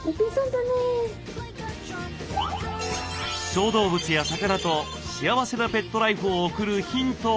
小動物や魚と幸せなペットライフを送るヒントをお伝えします。